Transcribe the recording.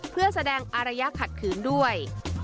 เพื่อแสดงอารยะขัดขืนด้วย